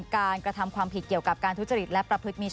คำถามคือตอนนี้งานของปปชีวิตได้ทั้งหมด